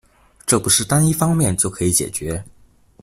這不是單一方面就可以解決